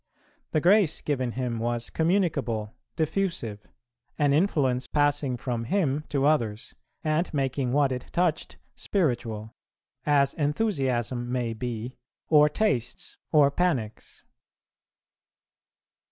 The grace given him was communicable, diffusive; an influence passing from him to others, and making what it touched spiritual, as enthusiasm may be or tastes or panics.